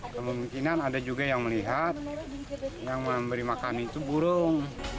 kemungkinan ada juga yang melihat yang memberi makan itu burung